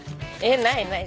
ないない。